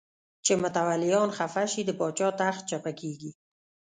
چې متولیان خفه شي د پاچا تخت چپه کېږي.